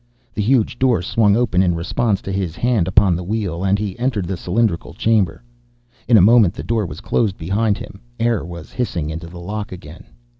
The huge door swung open in response to his hand upon the wheel, and he entered the cylindrical chamber. In a moment the door was closed behind him, air was hissing into the lock again.